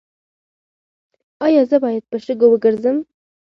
ایا زه باید په شګو وګرځم؟